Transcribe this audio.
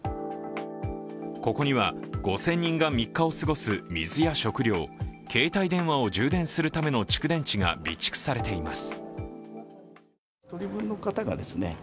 ここには５０００人が３日を過ごす水や食料、携帯電話を充電するための蓄電池が備蓄されています。